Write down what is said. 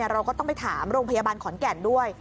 เราก็ต้องไปถามโรงพยาบาลขอนแก่นด้วย